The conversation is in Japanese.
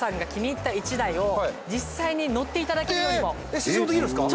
えっ試乗もできるんですか？